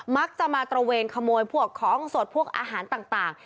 มักจะมาตระเวนขโมยพวกของสดพวกอาหารต่าง